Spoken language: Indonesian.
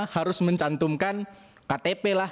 harus mencantumkan ktp lah